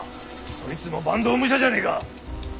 そいつも坂東武者じゃねえか。